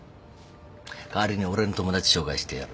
代わりに俺の友達紹介してやる。